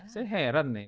saya heran nih